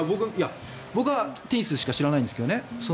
僕はテニスしか知らないんですけどね。